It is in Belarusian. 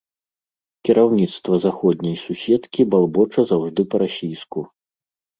Кіраўніцтва заходняй суседкі балбоча заўжды па-расійску.